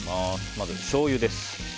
まず、しょうゆです。